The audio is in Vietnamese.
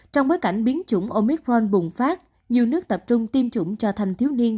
trong bối cảnh biến chủng omicron bùng phát nhiều nước tập trung tiêm chủng cho thành thiếu niên